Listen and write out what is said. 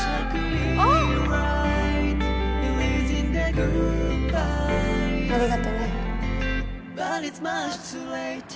あっ！ありがとね。